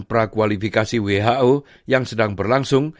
prakualifikasi who yang sedang berlangsung